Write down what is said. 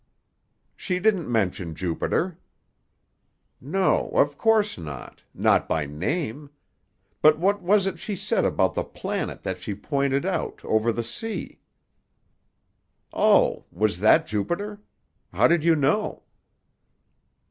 "She didn't mention Jupiter." "No, of course not. Not by name. But what was it she said about the planet that she pointed out, over the sea?" "Oh; was that Jupiter? How did you know?"